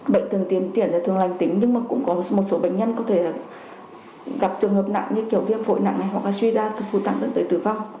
bệnh thường tiền tiển và thường lành tính nhưng cũng có một số bệnh nhân có thể gặp trường hợp nặng như kiểu viêm phổi nặng hoặc suy đa thường phù tặng đến tới tử vong